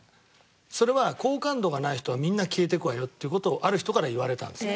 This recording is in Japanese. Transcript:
それは好感度がない人はみんな消えてくわよっていう事をある人から言われたんですね。